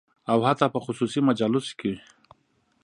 او حتی په خصوصي مجالسو کې